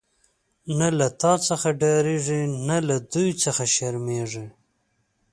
نه له تا څخه ډاريږی، نه له دوی څخه شرميږی